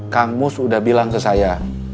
kang mus sudah bilang ke saya